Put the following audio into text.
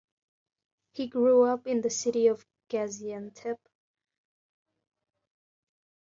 He grew up in the city of Gaziantep.